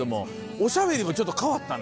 おしゃべりもちょっと変わったね